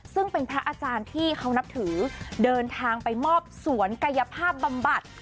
ซึ่งเป็นพระอาจารย์ที่เขานับถือเดินทางไปมอบสวนกายภาพบำบัด